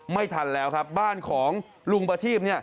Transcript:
ไม่ทันแล้วครับบ้านของลุงประทีพ